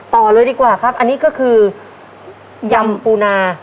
ต่อเลยดีกว่าครับอันนี้ก็คือยำปูนา